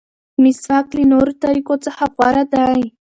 مسواک له نورو طریقو څخه غوره دی.